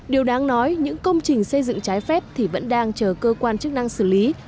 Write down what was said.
điều đáng nói những công trình xây dựng trái phép thì vẫn đang chờ cơ quan chức năng xử lý